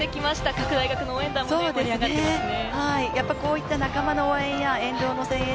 各大学の応援団、盛り上がってますね。